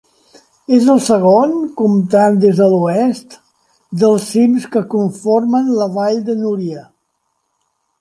És el segon, comptant des de l'oest, dels cims que conformen la Vall de Núria.